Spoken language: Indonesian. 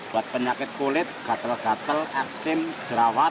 buat penyakit kulit katel katel eksim jerawat